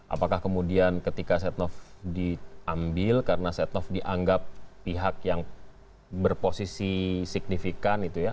apakah kemudian ketika setnov diambil karena setnov dianggap pihak yang berposisi signifikan itu ya